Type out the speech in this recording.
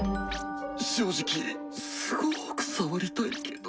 正直すごく触りたいけど。